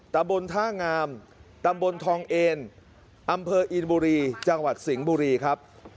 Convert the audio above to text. ตำบลท่างามตำบลทองเอนอำเภออินบุรีจังหวัดสิงห์บุรีครับ